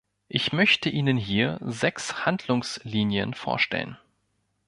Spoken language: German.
Ich möchte Ihnen hier sechs Handlungslinien vorstellen.